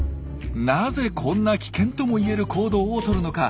なぜこんな危険ともいえる行動をとるのか？